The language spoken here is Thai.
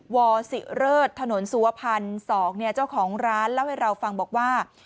วสิเริศถนนสุวพันธ์๒เจ้าของร้านเล่าให้เราฟังบอกว่า